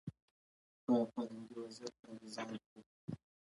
په فرهنګي وضعيت باندې ځان پوه کړي